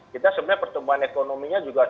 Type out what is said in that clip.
kita sebenarnya pertumbuhan ekonominya juga cukup bagus